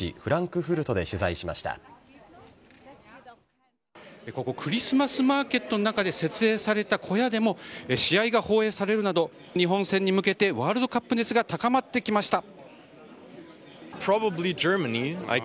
クリスマスマーケットの中で設営された小屋でも試合が放映されるなど日本戦に向けてワールドカップ熱が高まってきました。